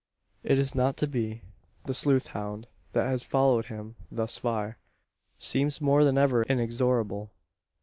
It is not to be. The sleuth hound, that has followed him thus far, seems more than ever inexorable.